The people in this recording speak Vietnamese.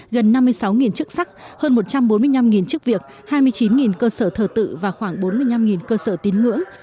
gần năm mươi sáu chức sắc hơn một trăm bốn mươi năm chức việc hai mươi chín cơ sở thờ tự và khoảng bốn mươi năm cơ sở tín ngưỡng